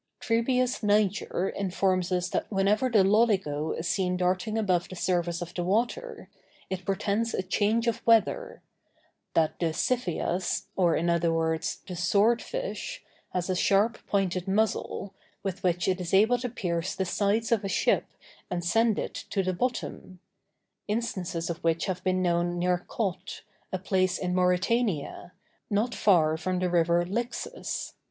Trebius Niger informs us that whenever the loligo is seen darting above the surface of the water, it portends a change of weather: that the xiphias, or, in other words, the sword fish, has a sharp pointed muzzle, with which it is able to pierce the sides of a ship and send it to the bottom: instances of which have been known near Cotte, a place in Mauritania, not far from the river Lixus.